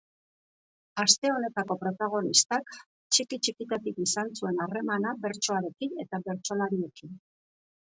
Aste honetako protagonistak txiki txikitatik izan zuen harremana bertsoarekin eta bertsolariekin.